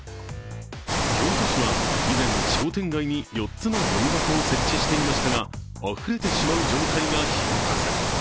京都市は以前、商店街に４つのごみ箱を設置していましたが、あふれてしまう状態が頻発。